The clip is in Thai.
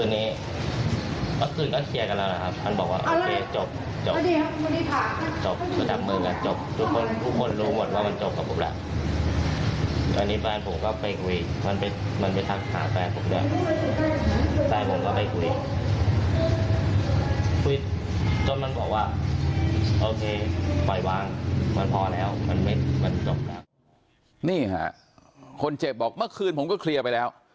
นี่ค่ะคนเจ็บบอกเมื่อคืนผมก็เคลียร์ไปแล้ว